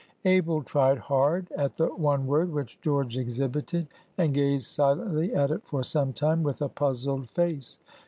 Abel tried hard at the one word which George exhibited, and gazed silently at it for some time with a puzzled face.